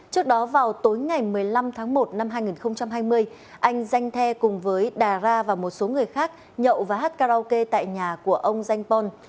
trước đó vào tối ngày một mươi năm tháng một năm hai nghìn hai mươi anh danh the cùng với đà ra và một số người khác nhậu và hát karaoke tại nhà của ông danh pon